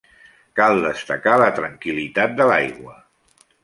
Cal destacar la tranquil·litat de l'aigua.